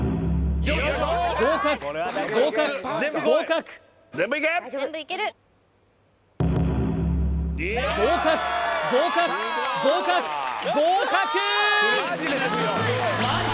合格合格合格合格合格合格合格